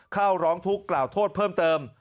เข้าร้องทุกข์กล่าวโทษเพิ่มเติม